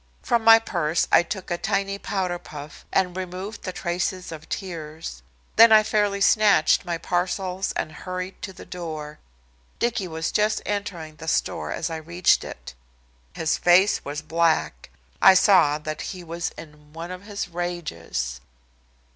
From my purse I took a tiny powder puff and removed the traces of tears. Then I fairly snatched my parcels and hurried to the door. Dicky was just entering the store as I reached it. His face was black. I saw that he was in one of his rages.